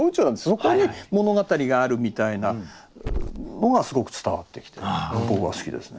そこに物語があるみたいなのがすごく伝わってきて僕は好きですね。